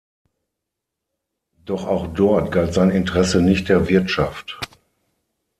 Doch auch dort galt sein Interesse nicht der Wirtschaft.